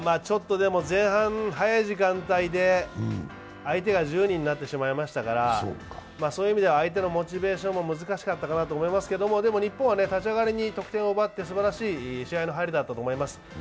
前半早い時間帯で相手が１０人になってしまいましたから、そういう意味では相手のモチベーションも難しかったかなと思いますが日本は立ち上がりに得点を奪ってすばらしい試合の入りだったと思います。